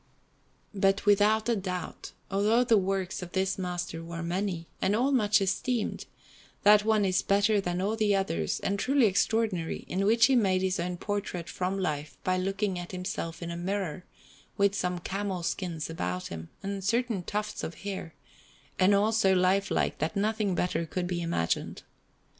Maria Formosa_) Anderson] But without a doubt, although the works of this master were many, and all much esteemed, that one is better than all the others and truly extraordinary in which he made his own portrait from life by looking at himself in a mirror, with some camel skins about him, and certain tufts of hair, and all so lifelike that nothing better could be imagined.